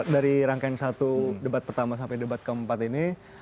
dari rangkaian satu debat pertama sampai debat keempat ini